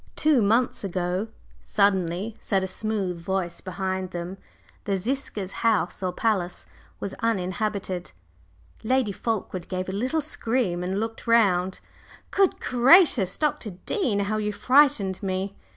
"Two months ago," suddenly said a smooth voice behind them, "the Ziska's house or palace was uninhabited." Lady Fulkeward gave a little scream and looked round. "Good gracious, Dr. Dean! How you frightened me!"